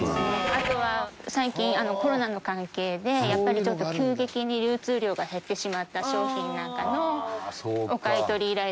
あとは最近コロナの関係でやっぱりちょっと急激に流通量が減ってしまった商品なんかのお買い取り依頼だったりとか。